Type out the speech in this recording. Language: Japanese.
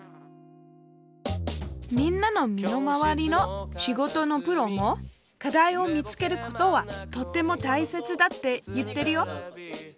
みんなの身の回りの仕事のプロも課題を見つけることはとってもたいせつだって言ってるよ。